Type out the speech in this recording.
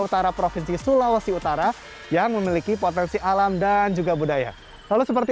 utara provinsi sulawesi utara yang memiliki potensi alam dan juga budaya lalu seperti